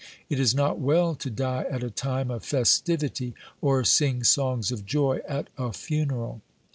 It is not well to die at a time of festivity, or sing songs of joy at a funeral.'